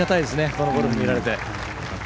このゴルフが見られて。